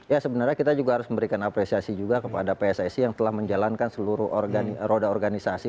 ya sebenarnya kita juga harus memberikan apresiasi juga kepada pssi yang telah menjalankan seluruh roda organisasi